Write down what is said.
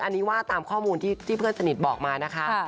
อันนี้ว่าตามข้อมูลที่เพื่อนสนิทบอกมานะคะ